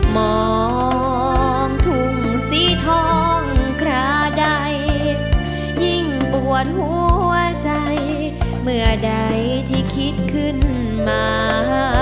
มองทุ่งสีทองคราใดยิ่งปวดหัวใจเมื่อใดที่คิดขึ้นมา